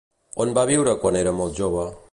On va viure quan era molt jove?